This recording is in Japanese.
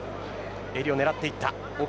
襟を狙っていった。